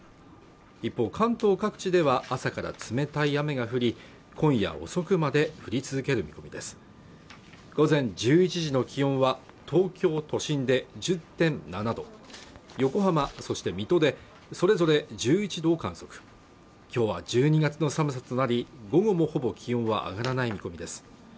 一方関東各地では朝から冷たい雨が降り今夜遅くまで降り続ける見込みです午前１１時の気温は東京都心で１０．７度横浜そして水戸でそれぞれ１１度を観測今日は１２月の寒さとなり午後もほぼ気温は上がらない見込みです